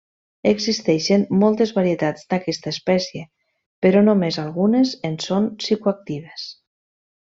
Existeixen moltes varietats d'aquesta espècie, però només algunes en són psicoactives.